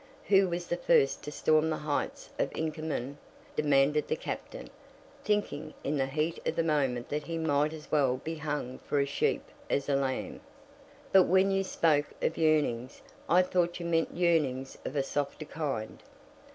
Who was the first to storm the heights of Inkerman?" demanded the Captain, thinking in the heat of the moment that he might as well be hung for a sheep as a lamb. "But when you spoke of yearnings, I thought you meant yearnings of a softer kind."